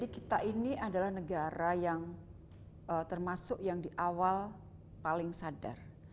kita ini adalah negara yang termasuk yang di awal paling sadar